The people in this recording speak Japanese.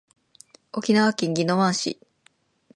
沖縄県宜野湾市